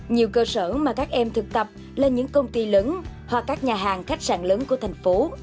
nhiều cơ sở mà các em thực tập là những công ty lớn hoặc các nhà hàng khách sạn lớn của thành phố